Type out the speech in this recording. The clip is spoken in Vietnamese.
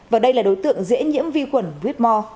và đây là đối tượng dễ nhiễm vi khuẩn quýt mò